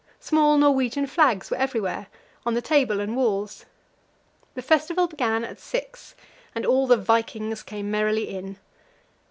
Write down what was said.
Small Norwegian flags were everywhere, on the table and walls. The festival began at six, and all the "vikings" came merrily in.